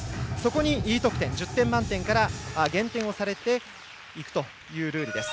そこにＥ得点、１０点満点から減点されていくというルールです。